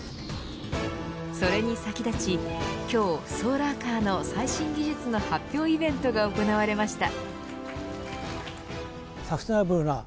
それに先立ち、今日ソーラーカーの最新技術の発表イベントが行われました。